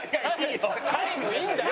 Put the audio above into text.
タイムいいんだよ。